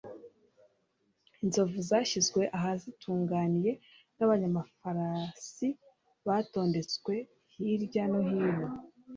inzovu zashyizwe ahazitunganiye n'abanyamafarasi batondetswe hirya no hino